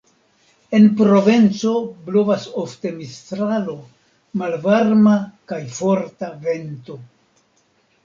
En Provenco blovas ofte Mistralo, malvarma kaj forta vento.